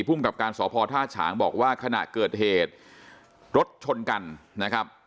กับการสพท่าฉางบอกว่าขณะเกิดเหตุรถชนกันนะครับ